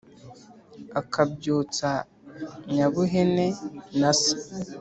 akabyutsa nyabuhene na se